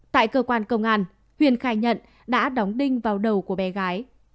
tại cơ quan công an huyền khai nhận đã đóng đinh vào đầu của bé gái